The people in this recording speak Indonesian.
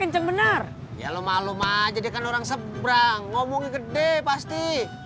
kenceng benar ya lu malu malu aja di kan orang sebrang ngomong gede pasti